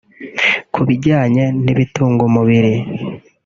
Kubijyanye n’ibitunga umubiri